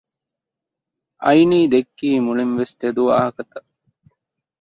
އައިނީ ދެއްކީ މުޅިންވެސް ތެދު ވާހަކަތައް